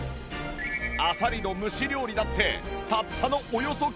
あさりの蒸し料理だってたったのおよそ９０秒！